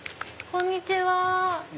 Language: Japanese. こんにちは。